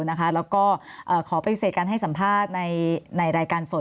แล้วก็ขอประโยชน์ให้กันให้สัมภาษณ์ในรายการสด